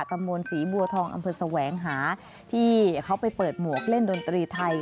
ตำบลศรีบัวทองอำเภอแสวงหาที่เขาไปเปิดหมวกเล่นดนตรีไทย